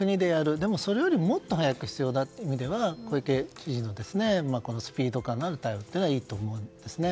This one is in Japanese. でも、それよりももっと早く必要だという意味では小池知事のスピード感のある対応はいいと思いますね。